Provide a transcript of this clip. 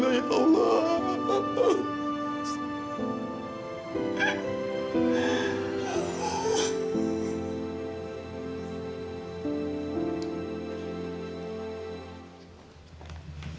bukan salah dewi